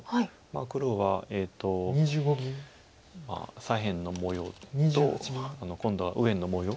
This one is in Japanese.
黒は左辺の模様と今度は右辺の模様